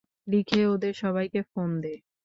লিখে ওদের সবাইকে ফোন দে।